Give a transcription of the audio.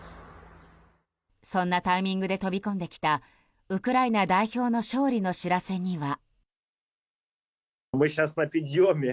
そんなタイミングで飛び込んできたウクライナ代表の勝利の知らせには。